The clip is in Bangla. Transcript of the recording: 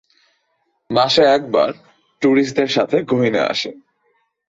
মাসে একবার ট্যুরিস্টদের সাথে গহীনে আসে।